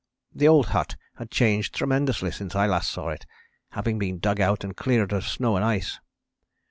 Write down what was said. The old hut had changed tremendously since I last saw it, having been dug out and cleared of snow and ice.